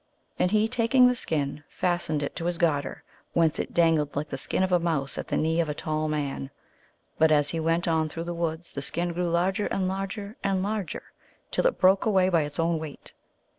And he, taking the skin, fastened it to his garter, whence it dangled like the skin of a mouse at the knee of a tall man. But as he went on through the woods the skin grew larger and larger and larger, till it broke away by its own weight.